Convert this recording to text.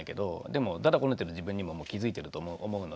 でもだだこねてる自分にも気付いてると思うので。